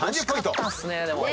惜しかったっすねでも。